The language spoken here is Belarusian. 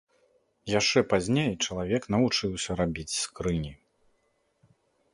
Яшчэ пазней чалавек навучыўся рабіць скрыні.